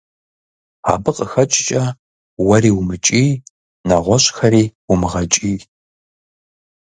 Абы къэхэкӀкӀэ уэри умыкӀий, нэгъуэщӀхэри умыгъэкӀий.